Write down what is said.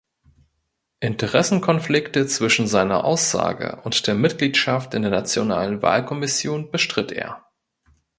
Interessenkonflikte zwischen seiner Aussage und der Mitgliedschaft in der Nationalen Wahlkommission bestritt er.